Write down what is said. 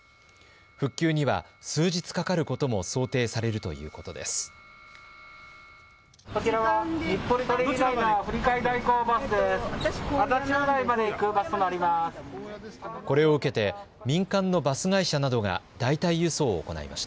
復旧には数日かかることも想定されるということです。